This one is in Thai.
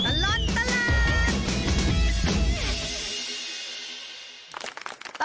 ชั่วตลอดตลาด